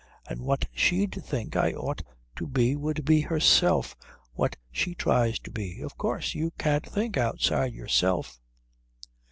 And what she'd think I ought to be would be herself, what she tries to be. Of course. You can't think outside yourself."